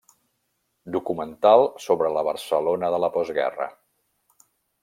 Documental sobre la Barcelona de la postguerra.